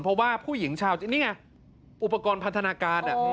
เพราะว่าผู้หญิงชาวนี่ไงอุปกรณ์พันธนาการ